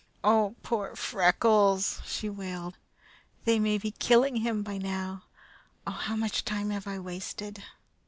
"Oh, poor Freckles!" she wailed. "They may be killing him by now. Oh, how much time have I wasted?"